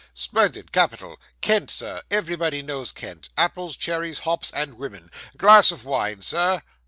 'Splendid capital. Kent, sir everybody knows Kent apples, cherries, hops, and women. Glass of wine, Sir!